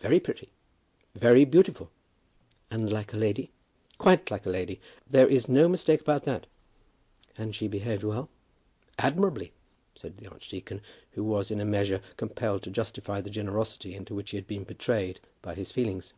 "Very pretty; very beautiful." "And like a lady?" "Quite like a lady. There is no mistake about that." "And she behaved well?" "Admirably," said the archdeacon, who was in a measure compelled to justify the generosity into which he had been betrayed by his feelings.